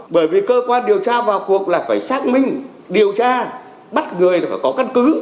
bởi vì cơ quan điều tra vào cuộc là phải xác minh điều tra bắt người là phải có căn cứ